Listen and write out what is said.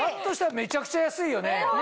めちゃくちゃ安いよね。